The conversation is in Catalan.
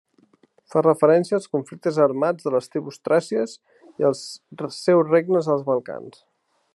Fa referència als conflictes armats de les tribus Tràcies i els seus regnes als Balcans.